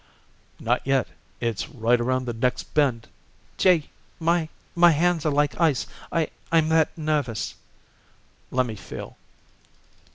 "Not yet. It's right around the next bend." "Gee! My my hands are like ice, I I'm that nervous." "Lemme feel."